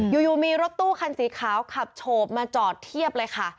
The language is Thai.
อยู่มีรถตู้คันสีขาวขับโฉบมาจอดเทียบเลยค่ะ